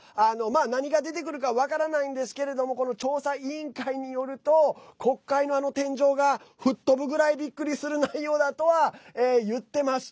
何が出てくるか分からないんですけれどもこの調査委員会によると国会の天井が吹っ飛ぶぐらいびっくりする内容だとは言ってます。